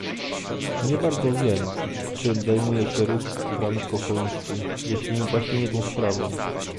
Nie bardzo wiem, czym zajmuje się ruch frankofoński, jeśli właśnie nie tą sprawą